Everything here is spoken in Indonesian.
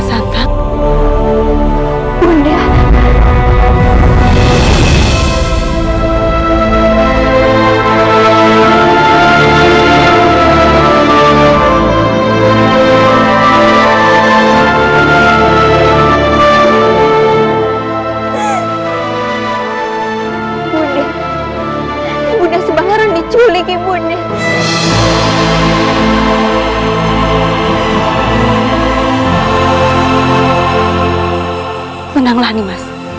saling mencari dan saling memburu